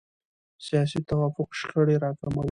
سیاسي توافق شخړې راکموي